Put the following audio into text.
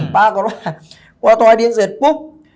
ป้าก็ว่าตัวให้ดินเสร็จปุ๊บ